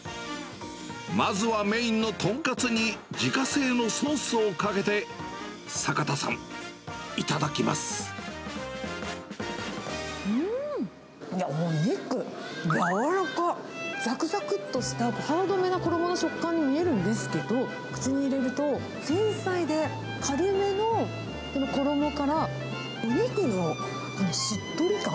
まずはメインの豚カツに自家製のソースをかけて、坂田さん、うーん、お肉、やわらかっ。ざくざくっとしたハード目の衣の食感に見えるんですけど、口に入れると繊細で軽めの衣から、お肉のしっとり感。